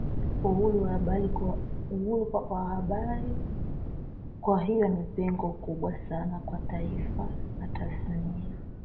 uhuru wa habari Kwa hiyo ni pengo kubwa sana kwa Taifa na tasnia